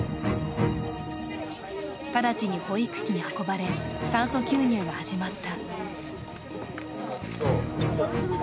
直ちに保育器に運ばれ、酸素吸入が始まった。